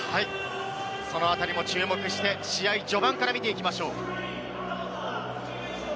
そのあたりも注目して、試合序盤から見ていきましょう。